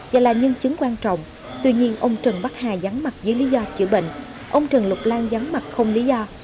và là nhân chứng quan trọng tuy nhiên ông trần bắc hà gián mặt dưới lý do chữa bệnh ông trần lục lan gián mặt không lý do